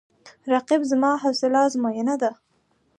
رقیب زما د حوصله آزموینه ده